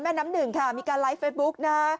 น้ำหนึ่งค่ะมีการไลฟ์เฟซบุ๊กนะ